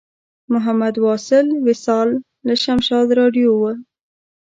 محمد واصل وصال له شمشاد راډیو و.